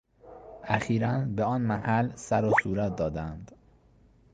اخیرا به آن محل سر و صورت دادهاند.